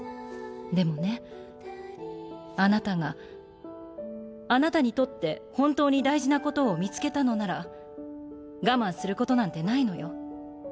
でもねあなたがあなたにとって本当に大事なことを見つけたのなら我慢することなんてないのよ